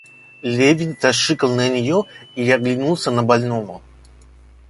Левин зашикал на нее и оглянулся на больного.